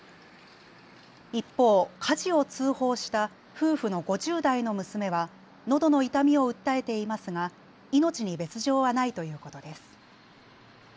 一方、火事を通報した夫婦の５０代の娘はのどの痛みを訴えていますが命に別状はないということです。